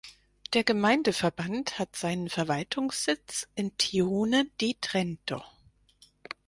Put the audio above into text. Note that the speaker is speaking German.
Der Gemeindeverband hat seinen Verwaltungssitz in Tione di Trento.